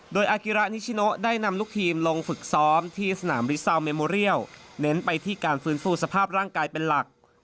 โดยอากิระนิชิโนได้นำลูกทีมลงฝึกซ้อมที่สนามริซาวเมโมเรียลเน้นไปที่การฟื้นฟูสภาพร่างกายเป็นหลัก